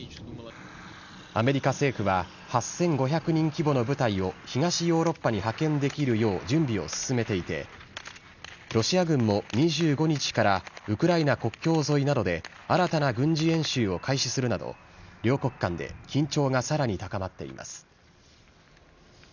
アメリカ政府は８５００人規模の部隊を東ヨーロッパに派遣できるよう準備を進めていて、ロシア軍も２５日からウクライナ国境沿いなどで新たな軍事演習を開始するなど、両国間で緊張がさらに高まっています。